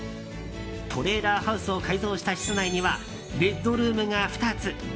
トレーラーハウスを改造した室内にはベッドルームが２つ。